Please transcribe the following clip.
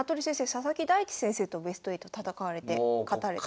佐々木大地先生とベスト８戦われて勝たれて。